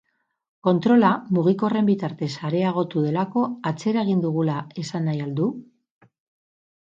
Kontrola mugikorren bitartez areagotu delako, atzera egin dugula esan nahi al du?